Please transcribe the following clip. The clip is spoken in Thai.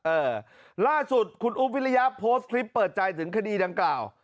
เออล่าสุดคุณอุ๊บวิริยะโพสต์คลิปเปิดใจถึงคดีดังกล่าว